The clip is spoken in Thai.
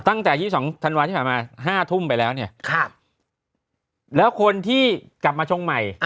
ตั้งแต่๒๒ธันวาที่ผ่านมา๕ทุ่มไปแล้วเนี่ยแล้วคนที่กลับมาชงใหม่